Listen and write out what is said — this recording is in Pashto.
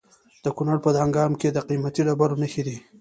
د کونړ په دانګام کې د قیمتي ډبرو نښې دي.